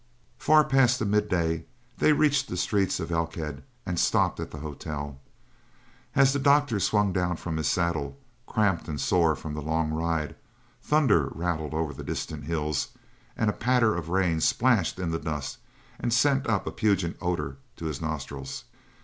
Far past the mid day they reached the streets of Elkhead and stopped at the hotel. As the doctor swung down from his saddle, cramped and sore from the long ride, thunder rattled over the distant hills and a patter of rain splashed in the dust and sent up a pungent odor to his nostrils.